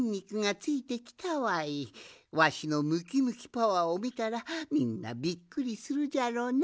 わしのムキムキパワーをみたらみんなびっくりするじゃろうな。